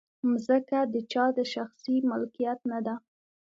مځکه د چا د شخصي ملکیت نه ده.